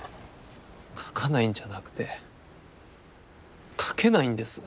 書かないんじゃなくて書けないんです。